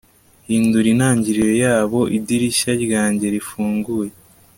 hindura intangiriro yabo idirishya ryanjye rifunguye